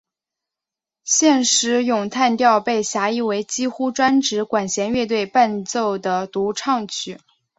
现时咏叹调被狭义为几乎专指管弦乐队伴奏的独唱曲。